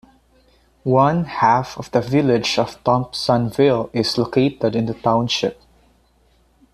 One half of the village of Thompsonville is located in the township.